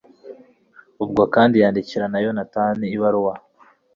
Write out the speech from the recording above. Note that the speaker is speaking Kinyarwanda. ubwo kandi yandikira na yonatani ibaruwa